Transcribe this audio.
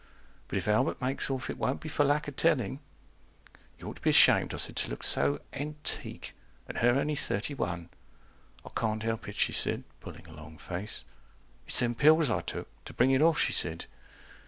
But if Albert makes off, it won't be for lack of telling. You ought to be ashamed, I said, to look so antique. (And her only thirty one.) I can't help it, she said, pulling a long face, It's them pills I took, to bring it off, she said.